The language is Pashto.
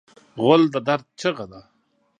غول د درد چیغه ده.